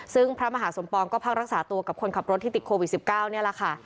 ซึ่งพระมหาสมปองก็พักรักษาตัวกับคนขับรถที่ติดโควิด๑๙นี่แหละค่ะ